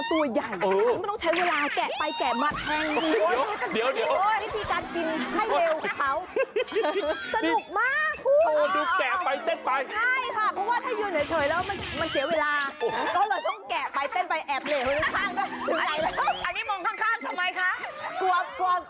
กุ้งกล้ามกรามมันแกะยาก